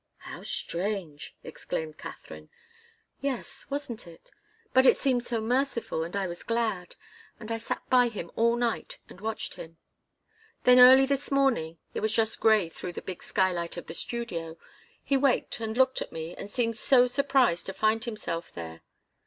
"How strange!" exclaimed Katharine. "Yes wasn't it? But it seemed so merciful, and I was so glad. And I sat by him all night and watched him. Then early, early this morning it was just grey through the big skylight of the studio he waked and looked at me, and seemed so surprised to find himself there.